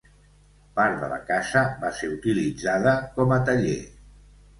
Part de la casa va ser utilitzada com a taller.